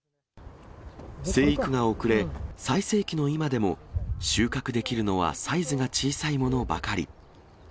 生育が遅れ、最盛期の今でも、収穫できるのはサイズが小さいものばかり。